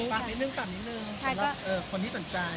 สำหรับคนที่สนใจ